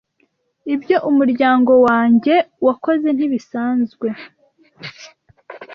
Ibyo umuryango wanjye wakoze ntibisanzwe